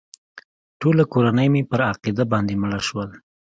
ټوله کورنۍ مې پر عقیده باندې مړه شول.